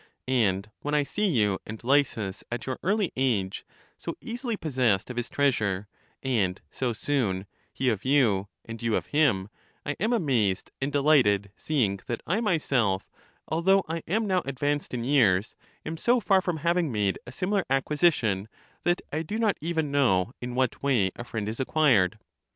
And when I see you and Lysis, at your early age, so easily possessed of his treasure, and so soon, he of you, and you of him, I am amazed and delighted, see ing that I myself, although I am now advanced in years, am so far from having made a similar acquisi tion, that I do not even know in what way a friend is acquired.